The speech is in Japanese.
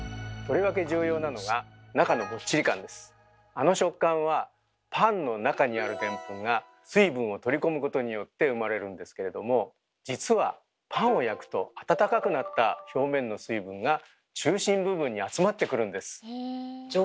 あの食感はパンの中にあるデンプンが水分を取り込むことによって生まれるんですけれども実はパンを焼くと温かくなった表面の水分が中心部分に集まってくるんです。